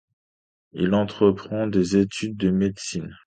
Il entreprend des études de médecine.